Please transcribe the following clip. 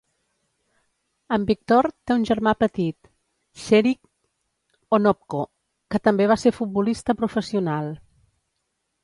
En Viktor té una germà petit, Serhiy Onopko, que també va ser futbolista professional.